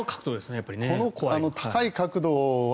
この高い角度は